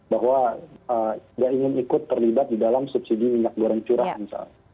bahwa tidak ingin ikut terlibat di dalam subsidi minyak goreng curah misal